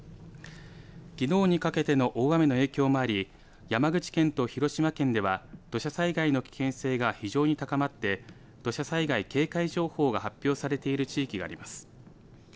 きのうにかけての大雨の影響もあり山口県と広島県では土砂災害の危険性が非常に高まって土砂災害警戒情報が発表されている地域があります。